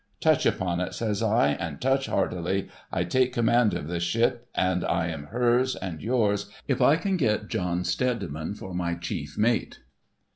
' Touch upon it,' says I, ' and touch heartily. I take command of this ship, and I am hers and yours, if I can get John Steadiman for my chief mate.'